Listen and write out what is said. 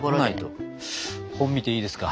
本見ていいですか？